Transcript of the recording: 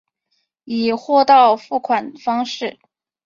以货到付款方式